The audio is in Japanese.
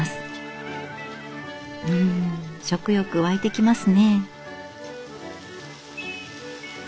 うん食欲湧いてきますね。